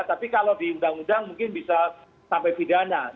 tapi kalau di undang undang mungkin bisa sampai pidana